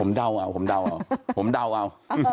ผมเดาเอาผมเดาเอาผมเดาเอา